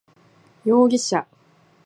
容疑者